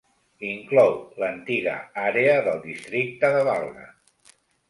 Inclou l'antiga àrea del districte de Valga.